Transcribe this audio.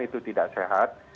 itu tidak sehat